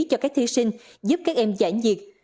cho các thí sinh giúp các em giãn nhiệt